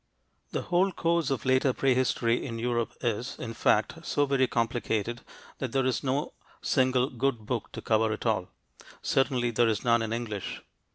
The whole course of later prehistory in Europe is, in fact, so very complicated that there is no single good book to cover it all; certainly there is none in English.